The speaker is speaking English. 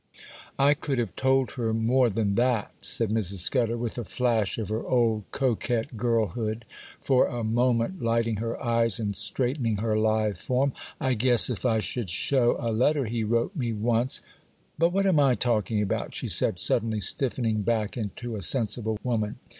'I could have told her more than that,' said Mrs. Scudder, with a flash of her old coquette girlhood for a moment lighting her eyes and straightening her lithe form. 'I guess, if I should show a letter he wrote me once——. But what am I talking about?' she said, suddenly stiffening back into a sensible woman.